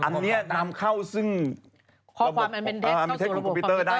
อันนี้นำเข้าซึ่งคอมพิวเตอร์ได้